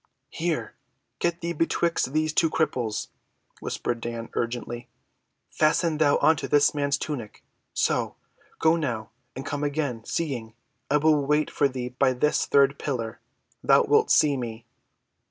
"Here, get thee betwixt these two cripples," whispered Dan urgently. "Fasten thou onto this man's tunic—so! Now go, and come again—seeing. I will wait for thee by this third pillar. Thou wilt see me."